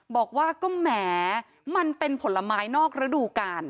บอกว่าก็แหมมันเป็นผลไม้นอกฤดูกาล